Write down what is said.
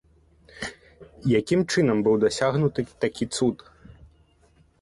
Якім чынам быў дасягнуты такі цуд?